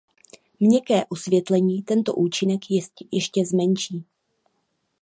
Měkké osvětlení tento účinek ještě zmenší.